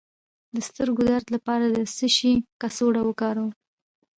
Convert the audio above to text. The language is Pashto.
د سترګو درد لپاره د څه شي کڅوړه وکاروم؟